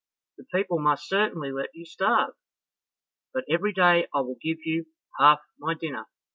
The people must certainly let you starve; but every day I will give you half my dinner."